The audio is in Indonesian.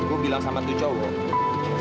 ibu bilang sama tu cowok